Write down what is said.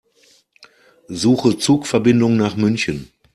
Suche Zugverbindungen nach München.